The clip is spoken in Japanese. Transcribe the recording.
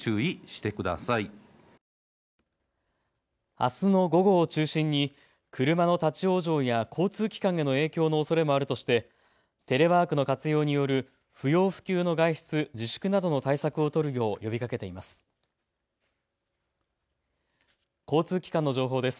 あすの午後を中心に車の立往生や交通機関への影響のおそれもあるとしてテレワークの活用による不要不急の外出の自粛などの対策を取るよう呼びかけています。